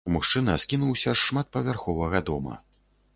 Мужчына скінуўся з шматпавярховага дома.